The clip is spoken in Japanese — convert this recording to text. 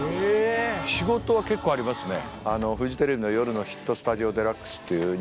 仕事は結構ありますね。